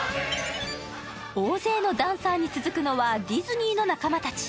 大勢のダンサーに続くのはディズニーの中間たち。